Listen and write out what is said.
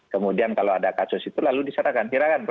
kemudian kalau ada kasus itu lalu diserahkan